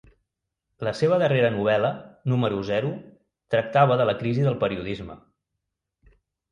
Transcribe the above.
La seva darrera novel·la, ‘Número Zero’, tractava de la crisi del periodisme.